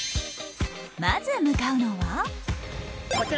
まず向かうのは。